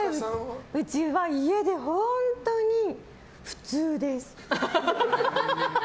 うちは家で本当に普通です。